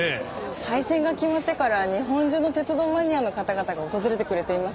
廃線が決まってから日本中の鉄道マニアの方々が訪れてくれています。